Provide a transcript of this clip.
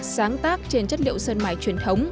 sáng tác trên chất liệu sơn mài truyền thống